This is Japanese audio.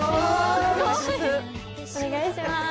お願いします。